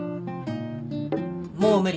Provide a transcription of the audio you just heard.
もう無理。